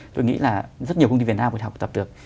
tôi nghĩ là rất nhiều công ty việt nam có thể học tập được